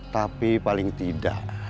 tapi paling tidak